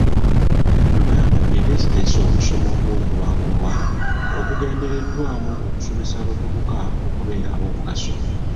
Uganda eteeseteese omusomo gw'okubangulwa ogugendereddwamu okusomesa abavubuka okubeera ab'omugaso.